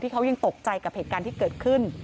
เขายังตกใจกับเหตุการณ์ที่เกิดขึ้น